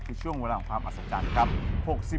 คือช่วงเวลาของความอัศจรรย์ครับ